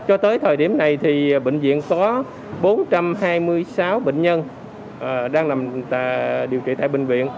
cho tới thời điểm này thì bệnh viện có bốn trăm hai mươi sáu bệnh nhân đang làm điều trị tại bệnh viện